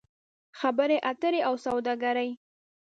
خبرې اترې او سوداګري